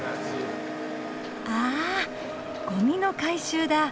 ああゴミの回収だ。